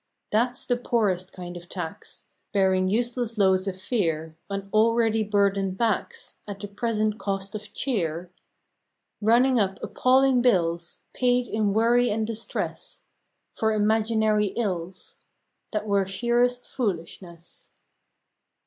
That s the poorest kind of Tax, Bearing useless loads of fear On already burdened backs At the present cost of cheer; Running up appalling bills Paid in worry and distress For imaginary ills That were sheerest foolishness!